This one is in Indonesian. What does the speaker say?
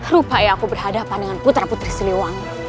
rupanya aku berhadapan dengan putra putri siliwangi